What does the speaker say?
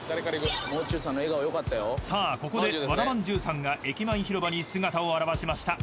［ここで和田まんじゅうさんが駅前広場に姿を現しました］